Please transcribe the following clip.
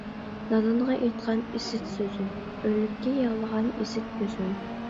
نادانغا ئېيتقان ئىسىت سۆزۈم، ئۆلۈككە يىغلىغان ئىسىت كۆزۈم.